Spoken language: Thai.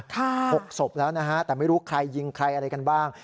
หกศพแล้วนะฮะแต่ไม่รู้ใครยิงใครอะไรกันบ้าง